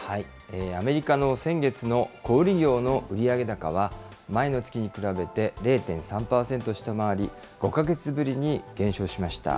アメリカの先月の小売り業の売上高は、前の月に比べて０．３％下回り、５か月ぶりに減少しました。